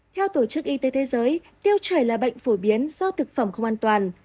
theo tổ chức y tế thế giới tiêu chảy là bệnh phổ biến do thực phẩm không an toàn